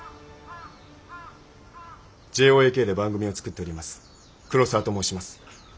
ＪＯＡＫで番組を作っております黒沢と申します。